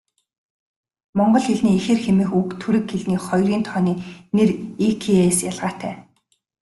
Монгол хэлний ихэр хэмээх үг түрэг хэлний хоёрын тооны нэр 'ики'-ээс гаралтай.